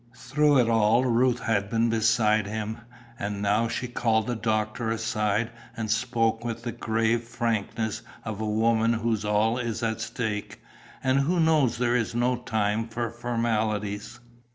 Through it all Ruth had been beside him, and now she called the doctor aside and spoke with the grave frankness of a woman whose all is at stake, and who knows there is no time for formalities.